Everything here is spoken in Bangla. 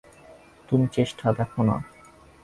তুমি চেষ্টা দেখো না।